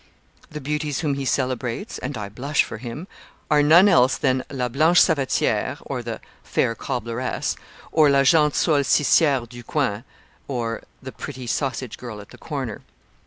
The beauties whom he celebrates and I blush for him are none else than la blanche Savetiere (the fair cobbleress), or la gente Saul cissiere, du coin (the pretty Sausage girl at the corner).